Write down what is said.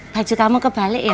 baju kamu kebalik ya